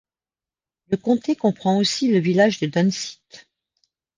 Le comté comprend aussi le village de Dunseith.